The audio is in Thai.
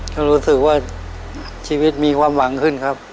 ก็รู้สึกว่าชีวิตมีความหวังขึ้นครับ